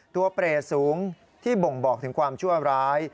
เปรตสูงที่บ่งบอกถึงความชั่วร้าย